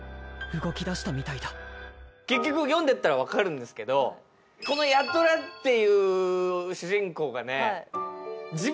結局読んでったら分かるんですけどこの八虎っていう主人公がね。